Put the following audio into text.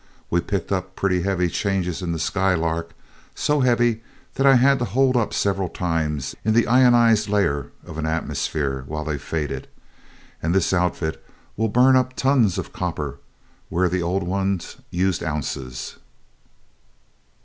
We picked up pretty heavy charges in the Skylark so heavy that I had to hold up several times in the ionized layer of an atmosphere while they faded and this outfit will burn up tons of copper where the old ones used ounces."